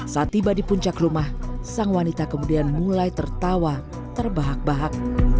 saat tiba di puncak rumah sang wanita kemudian mulai tertawa terbahak bahak